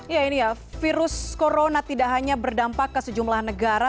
ya ini ya virus corona tidak hanya berdampak ke sejumlah negara